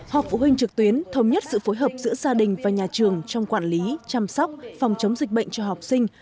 học phụ huynh trực tuyến thống nhất sự phối hợp giữa gia đình và nhà trường trong quản lý chăm sóc phòng chống dịch bệnh cho học sinh